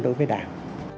đối với đảng